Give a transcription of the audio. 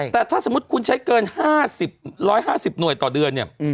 แต่ถ้าสมมุติคุณใช้เกิน๕๐๑๕๐หน่วยต่อเดือนเนี่ย